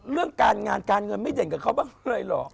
เรื่องการงานการเงินไม่เด่นกับเขาหรอก